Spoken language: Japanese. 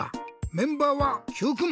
メンバーはＱくん！